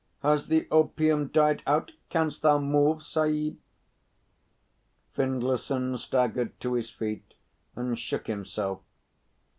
Has the opium died out. Canst thou move, Sahib?" Findlayson staggered to his feet and shook himself.